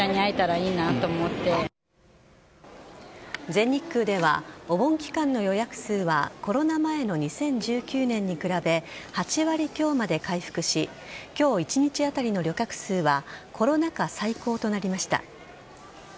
全日空では、お盆期間の予約数はコロナ前の２０１９年に比べ８割強まで回復し今日一日当たりの旅客数はコロナ禍最高となりました。